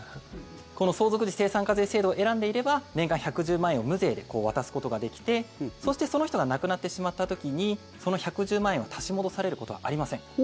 この相続時精算課税制度を選んでいれば年間１１０万円を無税で渡すことができてそしてその人が亡くなってしまった時にその１１０万円は足し戻されることはありません。